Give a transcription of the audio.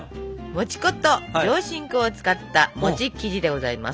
もち粉と上新粉を使った餅生地でございます。